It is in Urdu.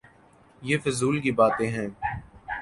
یہ فضول کی باتیں ہیں۔